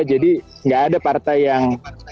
jadi gak ada partai yang